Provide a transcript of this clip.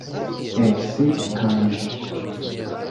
Elsie Kanza